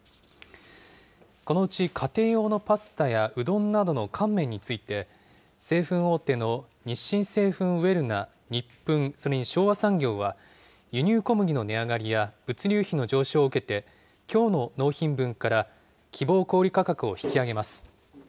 このうち家庭用のパスタやうどんなどの乾麺について、製粉大手の日清製粉ウェルナ、ニップン、それに昭和産業は、輸入小麦の値上がりや物流費の上昇を受けて、きょうの納品分から希望小売価格を引き上げます。